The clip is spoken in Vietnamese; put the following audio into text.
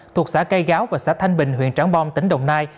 thuộc xã cây gáo và xã thanh bình huyện trảng bom tỉnh đồng nai